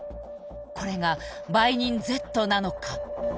これが売人Ｚなのか？